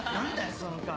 その顔。